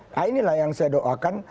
nah inilah yang saya doakan